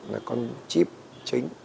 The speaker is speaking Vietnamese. là con chip chính